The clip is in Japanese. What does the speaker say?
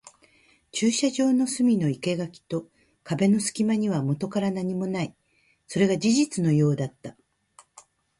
駐車場の隅の生垣と壁の隙間にはもとから何もない。それが事実のようだった。